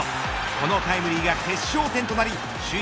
このタイムリーが決勝点となり首位